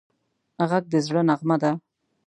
غږ د زړه نغمه ده